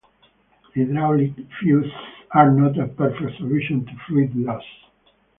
Hydraulic fuses are not a perfect solution to fluid loss.